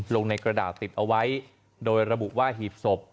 ลงในกระดาษติดเอาไว้โดยระบุว่าหีบศพ